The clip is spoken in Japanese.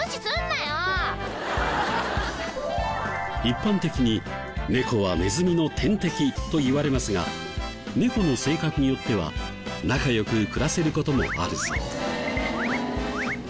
一般的に猫はネズミの天敵といわれますが猫の性格によっては仲良く暮らせる事もあるそう。